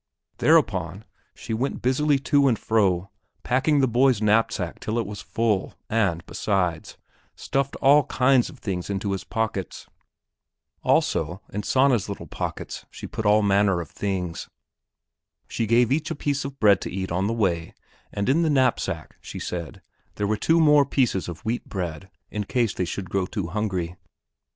Thereupon she went busily to and fro packing the boy's knapsack till it was full and, besides, stuffed all kinds of things into his pockets. Also in Sanna's little pockets she put all manner of things. She gave each a piece of bread to eat on the way and in the knapsack, she said, there were two more pieces of wheat bread, in case they should grow too hungry.